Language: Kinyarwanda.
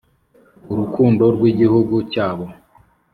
urukundo rw Igihugu cyabo